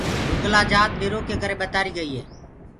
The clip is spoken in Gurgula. گُرگلآ جآت ڏِرو ڪي ڪري ٻتآريٚ گئيٚ هي۔